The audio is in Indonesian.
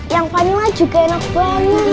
yang panik juga enak banget